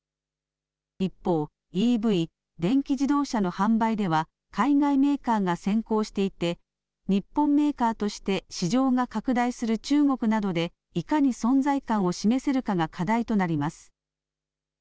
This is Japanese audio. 一方ＥＶ、電気自動車の販売では海外メーカーが先行していて日本メーカーとして市場が拡大する中国などでいかに存在感を示せるかが課題となります。